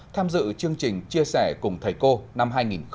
tham dự chương trình chia sẻ cùng thầy cô năm hai nghìn hai mươi